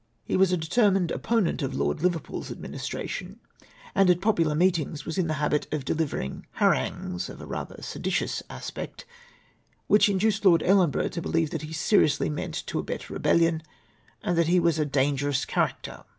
He was a determined opponent of Lord Liverpool's Administration ; and at popular meetings was in the habit of delivering harangues of rather a seditious aspect, which induced Lord Ellenborough to believe that he seriously meant to abet rebellion, and that he was a dangerous cha racter.